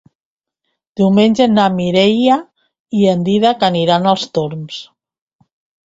Diumenge na Mireia i en Dídac aniran als Torms.